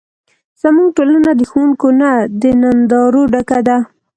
زموږ ټولنه د ښوونکو نه، د نندارو ډکه ده.